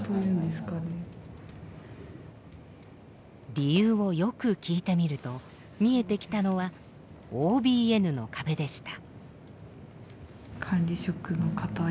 理由をよく聞いてみると見えてきたのはＯＢＮの壁でした。